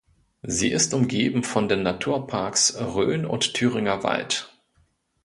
Sie ist umgeben von den Naturparks Rhön und Thüringer Wald.